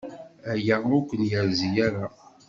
Aya ur ken-yerzi ara.